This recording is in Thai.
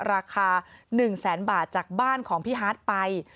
ราคา๑แสนบาทจากบ้านของพี่ฮาร์ดไป